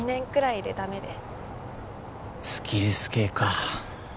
スキルス系か